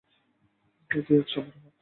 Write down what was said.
তাই কি এতসমারোহ!